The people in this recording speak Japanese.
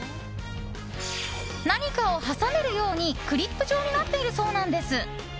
何かを挟めるようにクリップ状になっているそうなんです。